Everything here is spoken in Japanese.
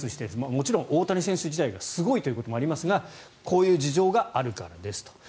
もちろん、大谷選手自体がすごいということもありますがこういう事情があるからですと。